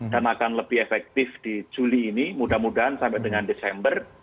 dan akan lebih efektif di juli ini mudah mudahan sampai dengan desember